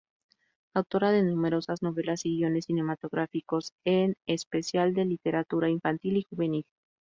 Autora de numerosas novelas y guiones cinematográficos, en especial de literatura infantil y juvenil.